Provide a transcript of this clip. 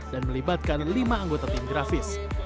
dan melibatkan lima anggota tim grafis